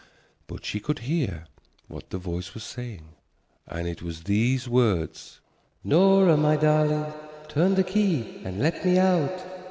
But she could hear what that voice was saying, and it was these words: "Nora, my darling, turn the key and let me out."